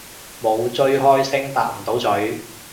冇追開星搭唔到咀